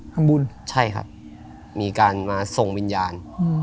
บุญใช่ครับมีการมาส่งวิญญาณ